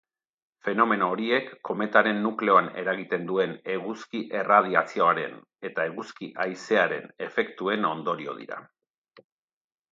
Fenomeno horiek kometaren nukleoan eragiten duen eguzki erradiazioaren eta eguzki haizearen efektuen ondorio dira.